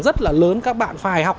rất lớn các bạn phải học